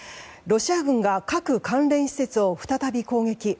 ロシア軍が核関連施設を再び攻撃。